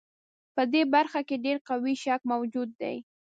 په دې برخه کې ډېر قوي شک موجود دی.